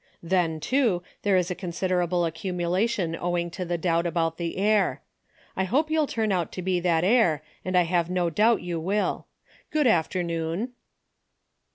Then, too, there is a considerable accumulation owing to the doubt about the heir. I hope you'll turn out to be that heir and I have no doubt you will. Good after noon."